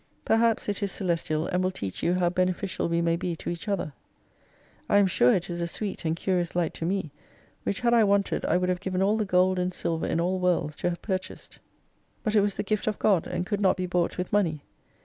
Perhaps it is celestial, and will teach you how beneficial we may be to each other. I am sure it is a sweet and curious light to me : which had I wanted I would have given all the gold and silver in all worlds to have purchased. But it was the Gift of God and could not be bought with money.